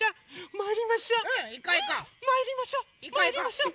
まいりましょ！